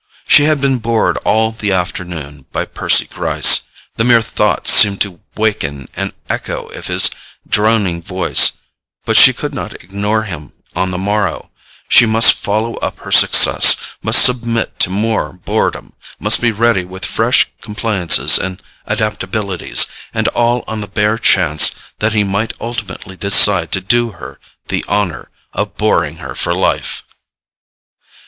She had been bored all the afternoon by Percy Gryce—the mere thought seemed to waken an echo of his droning voice—but she could not ignore him on the morrow, she must follow up her success, must submit to more boredom, must be ready with fresh compliances and adaptabilities, and all on the bare chance that he might ultimately decide to do her the honour of boring her for life.